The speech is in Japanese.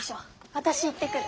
私行ってくる。